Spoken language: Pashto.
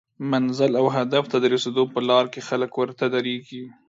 منزل او هدف ته د رسیدو په لار کې خلک ورته دریږي